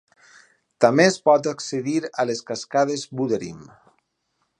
També es pot accedir a les Cascades Buderim.